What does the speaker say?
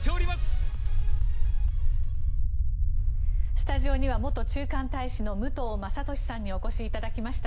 スタジオには元駐韓大使の武藤正敏さんにお越しいただきました。